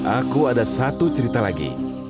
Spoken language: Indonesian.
aku ada satu cerita lagi